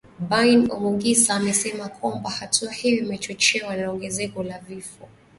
Bain Omugisa amesema kwamba hatua hiyo imechochewa na ongezeko la vifo